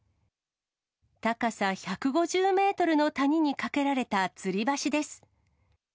高さ１５０メートルの谷に架けられたつり橋です。